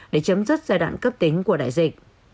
để chấm dứt giai đoạn cấp tính của đại dịch